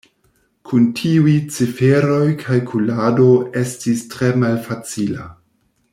Kun tiuj ciferoj kalkulado estis tre malfacila.